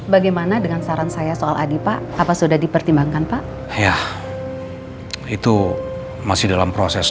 bagaimana dengan saran saya soal adipa apa sudah dipertimbangkan pak ya itu masih dalam proses